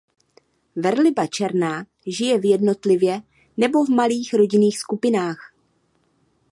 Velryba černá žije v jednotlivě nebo v malých rodinných skupinách.